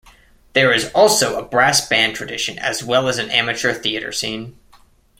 There is also a brass band tradition as well as an amateur theatre scene.